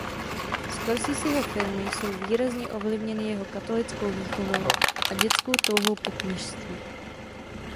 Scorseseho filmy jsou výrazně ovlivněny jeho katolickou výchovou a dětskou touhou po kněžství.